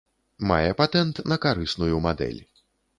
Мае патэнт на карысную мадэль.